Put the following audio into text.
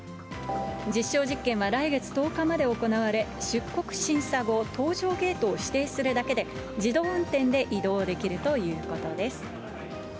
実証実験は来月１０日まで行われ、出国審査後、搭乗ゲートを指定するだけで自動運転で移動できるということです。